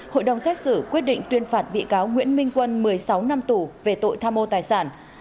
hội đồng xét xử quyết định tuyên phạt bị cáo nguyễn minh quân một mươi sáu năm tù về tội tham ô tài sản